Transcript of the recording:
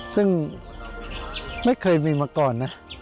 ซึ่งไม่เคยมีมาก่อนนะ